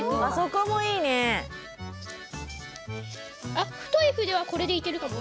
あっふとい筆はこれでいけるかも。